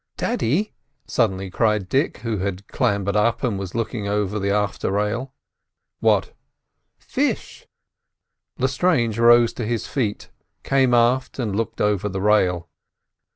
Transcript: "Daddy!" suddenly cried Dick, who had clambered up, and was looking over the after rail. "What?" "Fish!" Lestrange rose to his feet, came aft and looked over the rail.